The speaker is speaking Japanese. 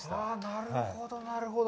なるほど、なるほど。